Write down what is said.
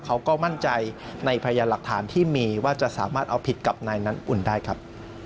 เขาก็มั่นใจในพยานหลักฐานที่มีว่าจะสามารถเอาผิดกับนายนั้นอุ่นได้ครับ